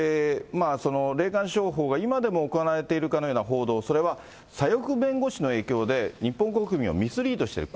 霊感商法が今でも行われているかのような報道、それは左翼弁護士の影響で、日本国民をミスリードしている。